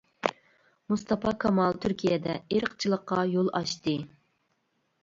مۇستاپا كامال تۈركىيەدە ئىرقچىلىققا يول ئاچتى.